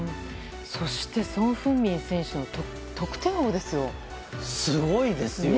そしてソン・フンミン選手の得点王ですよ。